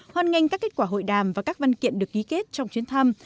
hoan nghênh các kết quả hội đàm và các văn kiện được ký kết trong chuyến thăm